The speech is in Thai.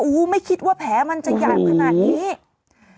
โอ้โหไม่คิดว่าแผลมันจะยาดขนาดนี้โอ้โห